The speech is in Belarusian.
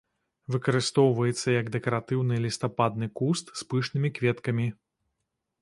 Выкарыстоўваецца, як дэкаратыўны лістападны куст з пышнымі кветкамі.